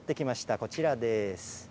こちらです。